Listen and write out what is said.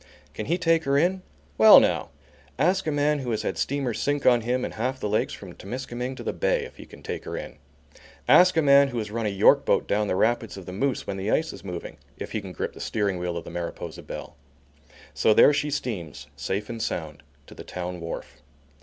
Can he take her in? Well, now! Ask a man who has had steamers sink on him in half the lakes from Temiscaming to the Bay, if he can take her in? Ask a man who has run a York boat down the rapids of the Moose when the ice is moving, if he can grip the steering wheel of the Mariposa Belle? So there she steams safe and sound to the town wharf!